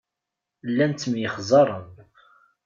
Llan ttemyexzaren.